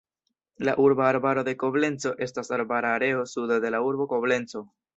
La urba arbaro de Koblenco estas arbara areo sude de la urbo Koblenco.